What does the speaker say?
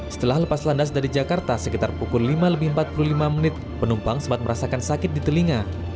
setelah lepas landas dari jakarta sekitar pukul lima lebih empat puluh lima menit penumpang sempat merasakan sakit di telinga